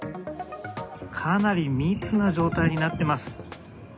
かなり密な状態になってます。